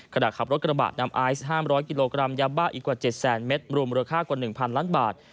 ขณะขับรถกระบะนำไอซ์๕๐๐กิโลกรัมยาบ้าอีกกว่า๗แสนเมตรรวมมูลค่ากว่า๑๐๐ล้านบาท